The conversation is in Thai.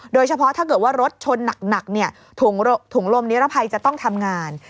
โดยเฉพาะถ้าเกิดว่ารถชนหนักถุงลมนิรภัยจะต้องทำงาน